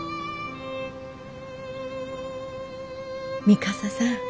三笠さん。